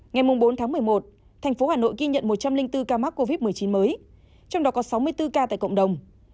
ngày bốn tháng một mươi một thành phố hà nội ghi nhận một trăm linh bốn ca mắc covid một mươi chín mới trong đó có sáu mươi bốn ca tại cộng đồng